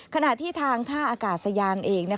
ขณะที่ทางท่าอากาศยานเอง